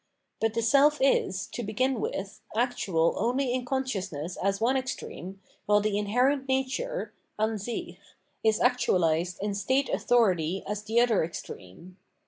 But the seK is, to begin with, actual only in consciousness as one extreme, while the inherent nature {Ansich) is actuahsed in state authority as the other extreme.